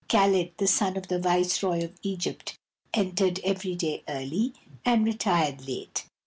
Caled, the son of the viceroy of Egypt, entered every day early, and retired late.